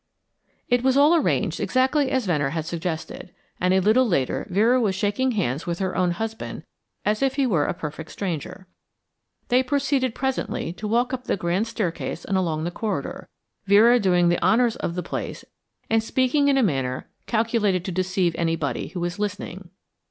It was all arranged exactly as Venner had suggested, and a little later Vera was shaking hands with her own husband as if he were a perfect stranger. They proceeded presently to walk up the grand staircase and along the corridor, Vera doing the honors of the place and speaking in a manner calculated to deceive anybody who was listening.